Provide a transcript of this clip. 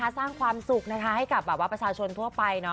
สร้างความสุขให้กับประชาชนทั่วไป